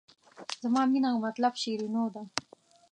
زما مینه او مطلب شیرینو ده.